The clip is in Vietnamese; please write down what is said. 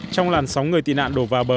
trong làn sóng người tị nạn đổ vào bờ